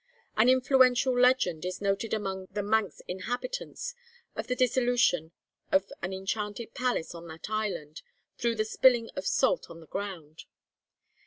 An influential legend is noted among the Manx inhabitants, of the dissolution of an enchanted palace on that island, through the spilling of salt on the ground.